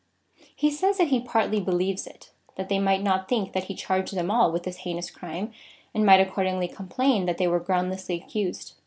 He says that he partly believes it, that they might not think that he charged them all with this heinous crime, and might accordingly complain, that they were groundlessly ac cused.